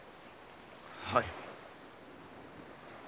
はい。